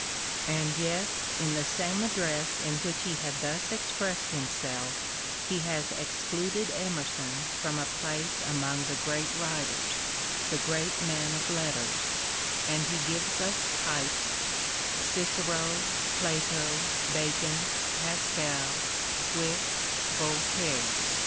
* And yet in the same address in which he had thus expressed himself he has excluded Emerson from a place among the great writers, *" Discourses in America : Emerson," 127 128 EMERSON the great men of letters — and he gives us types, Cicero, Plato, Bacon, Pascal, Swift, Voltaire.